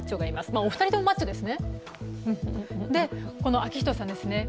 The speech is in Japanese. お二人ともマッチョですね。